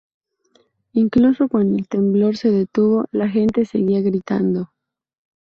Incluso cuando el temblor se detuvo, la gente seguía gritando".